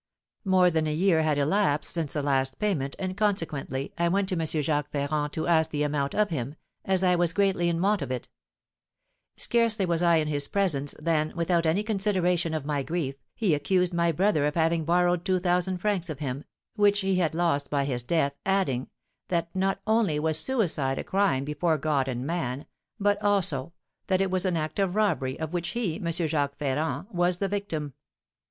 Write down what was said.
More than a year had elapsed since the last payment, and, consequently, I went to M. Jacques Ferrand to ask the amount of him, as I was greatly in want of it. Scarcely was I in his presence, than, without any consideration of my grief, he accused my brother of having borrowed two thousand francs of him, which he had lost by his death, adding, that not only was suicide a crime before God and man, but, also, that it was an act of robbery, of which he, M. Jacques Ferrand, was the victim.